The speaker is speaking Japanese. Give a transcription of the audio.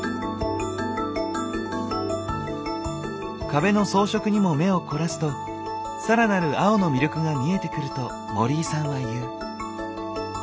壁の装飾にも目を凝らすと更なる青の魅力が見えてくると盛井さんは言う。